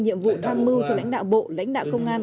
nhiệm vụ tham mưu cho lãnh đạo bộ lãnh đạo công an